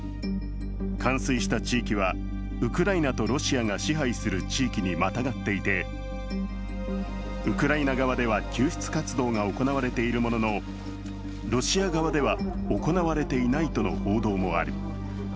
冠水した地域はウクライナとロシアが支配する地域にまたがっていてウクライナ側では救出活動が行われているものの、ロシア側では行われていないとの報道もある。